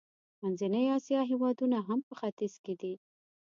منځنۍ اسیا هېوادونه هم په ختیځ کې دي.